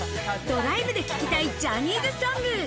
ドライブで聴きたいジャニーズソング。